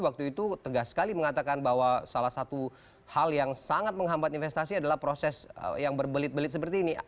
waktu itu tegas sekali mengatakan bahwa salah satu hal yang sangat menghambat investasi adalah proses yang berbelit belit seperti ini